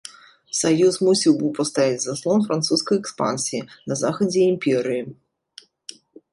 Саюз мусіў быў паставіць заслон французскай экспансіі на захадзе імперыі.